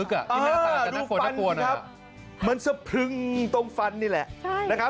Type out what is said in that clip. ก็ปรึงตรงฟันนี่แหละ